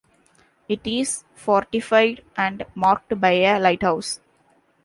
It is fortified and marked by a lighthouse.